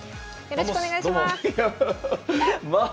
よろしくお願いします。